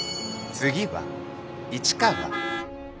次は市川。